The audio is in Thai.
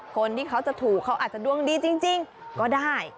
คนที่เขาจะถูกเขาอาจจะดวงดีจริงก็ได้